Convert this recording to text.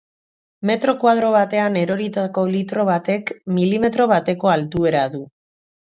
Metro koadro batean eroritako litro batek milimetro bateko altuera du.